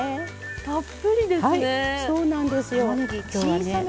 たっぷりですね。